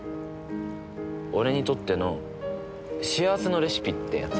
俺にとっての幸せのレシピってやつ。